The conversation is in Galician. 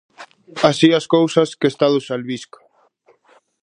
Así as cousas, que Estado se albisca?